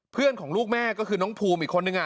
ของลูกแม่ก็คือน้องภูมิอีกคนนึง